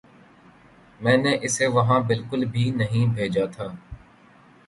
میں نے اسے وہاں بالکل بھی نہیں بھیجا تھا